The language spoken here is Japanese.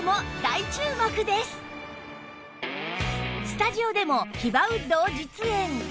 スタジオでもヒバウッドを実演